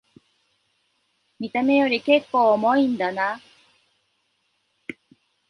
見た目よりけっこう重いんだな